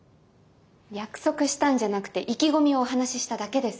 約束したんじゃなくて意気込みをお話ししただけです。